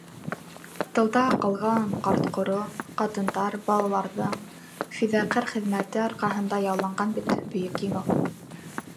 Тылда ҡалған ҡарт-ҡоро, ҡатындар, балаларҙың фиҙаҡәр хеҙмәте арҡаһында яуланған бит Бөйөк Еңеү.